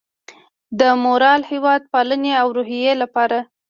د مورال، هیواد پالنې او روحیې لپاره